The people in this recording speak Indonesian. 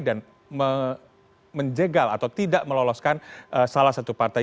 dan menjegal atau tidak meloloskan salah satu partai